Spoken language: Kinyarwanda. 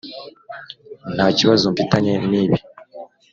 ntakibazo mfitanye nibi.